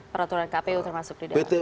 peraturan kpu termasuk di dalam